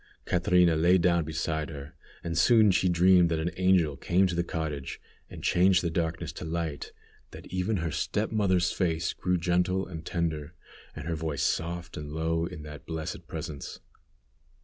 Catrina lay down beside her, and soon she dreamed that an angel came to the cottage and changed the darkness to light, that even her step mother's face grew gentle and tender, and her voice soft and low in that blessed presence.